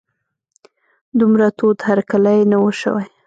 دومره تود هرکلی نه و شوی.